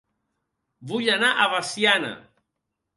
Vull anar a Veciana